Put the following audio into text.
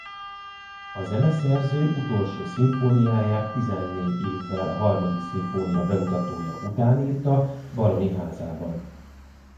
A zeneszerző utolsó szimfóniáját tizennégy évvel a harmadik szimfónia bemutatója után írta Baron-i házában.